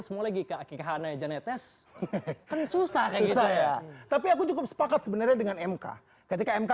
semua lagi kak akikah hanai janetes kan susah ya tapi aku cukup sepakat sebenarnya dengan mk ketika mk